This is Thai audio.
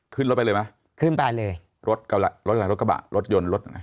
ขึ้นรถไปเลยไหมขึ้นไปเลยรถก็ละรถก็ละรถกระบะรถยนต์รถ